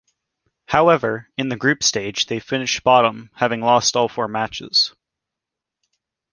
However, in the group stage they finished bottom having lost all four matches.